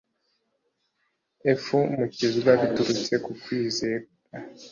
ef mukizwa biturutse ku kwizera